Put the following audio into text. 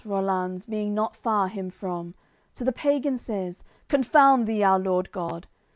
The count Rollanz, being not far him from, To th'pagan says: "Confound thee our Lord God!